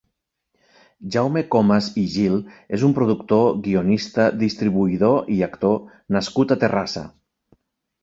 Jaume Comas i Gil és un productor, guionista, distribuïdor i actor nascut a Terrassa.